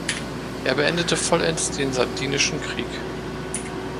Er beendete vollends den Sardinischen Krieg.